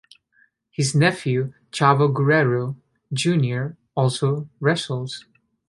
His nephew, Chavo Guerrero, Junior also wrestles.